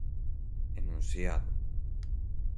enunciado